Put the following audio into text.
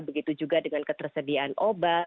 begitu juga dengan ketersediaan obat